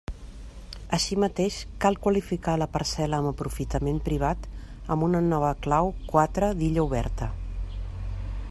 Així mateix cal qualificar la parcel·la amb aprofitament privat, amb una nova clau quatre d'Illa oberta.